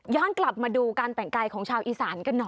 กลับมาดูการแต่งกายของชาวอีสานกันหน่อย